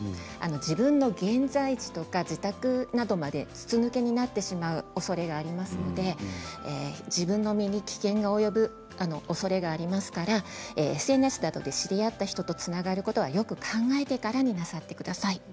自分の現在地とか自宅などまで筒抜けになってしまうおそれがありますので自分の身に危険が及ぶおそれがありますからＳＮＳなどで知り合った人とつながることはよく考えてからになさってください。